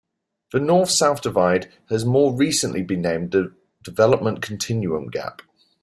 The north-south divide has more recently been named the development continuum gap.